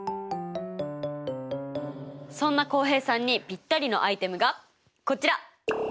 そんな浩平さんにぴったりのアイテムがこちら！